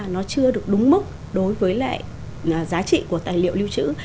nó chưa được đúng mức đối với lại giá trị của tài liệu lưu trữ